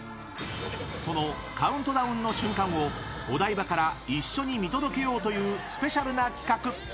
そのカウントダウンの瞬間をお台場から一緒に見届けようというスペシャルな企画！